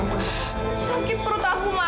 sakit perut aku mas